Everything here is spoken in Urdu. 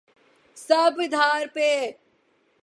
سب ادھار پہ۔